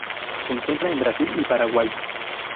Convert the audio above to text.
Se encuentra en Brasil y Paraguay.